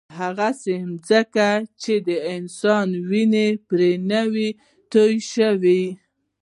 هغسې ځمکه چې د انسان وینه پرې نه وي تویه شوې.